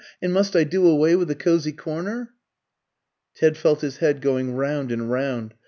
and must I do away with the cosy corner?" Ted felt his head going round and round.